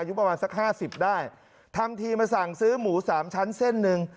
อายุประมาณสัก๕๐ได้ทำทีมาสั่งซื้อหมู๓ชั้นเส้นนึง